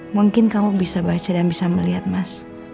mungkin kamu bisa baca dan bisa melihat mas